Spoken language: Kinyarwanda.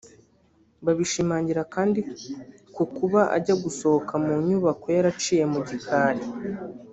Babishingira kandi ku kuba ajya gusohoka mu nyubako yaraciye mu gikari